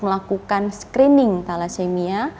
melakukan screening thalassemia